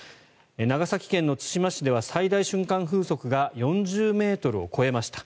長崎県の対馬市では最大瞬間風速が４０ｍを超えました。